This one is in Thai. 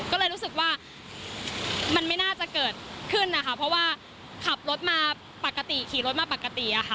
ก็เลยรู้สึกว่ามันไม่น่าจะเกิดขึ้นนะคะเพราะว่าขับรถมาปกติขี่รถมาปกติอะค่ะ